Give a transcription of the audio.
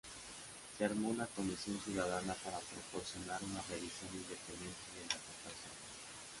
Se armó una comisión ciudadana para proporcionar una revisión independiente de la catástrofe.